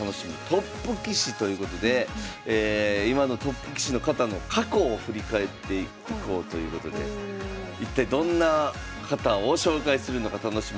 トップ棋士」ということで今のトップ棋士の方の過去を振り返っていこうということで一体どんな方を紹介するのか楽しみにしていただきたいと思います。